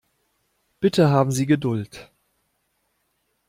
Bitte haben Sie Geduld.